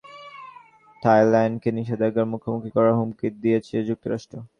কার্যকর ব্যবস্থা নিতে ব্যর্থ হলে থাইল্যান্ডকে নিষেধাজ্ঞার মুখোমুখি করার হুমকি দিয়েছে যুক্তরাষ্ট্র।